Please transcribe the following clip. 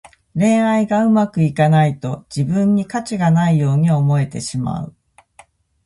恋愛がうまくいかないと、自分に価値がないように思えてしまう。